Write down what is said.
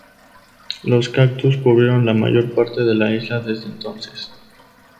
Los cactus cubrieron la mayor parte de la isla desde entonces.